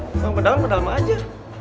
bangun bangun dalam dalam aja